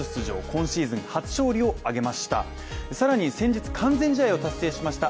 今シーズン初勝利を挙げました。